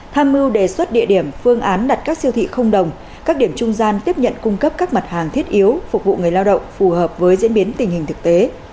tham mưu đề xuất địa điểm phương án đặt các siêu thị không đồng các điểm trung gian tiếp nhận cung cấp các mặt hàng thiết yếu phục vụ người lao động phù hợp với diễn biến tình hình thực tế